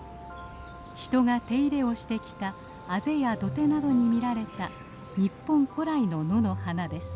人が手入れをしてきたあぜや土手などに見られた日本古来の野の花です。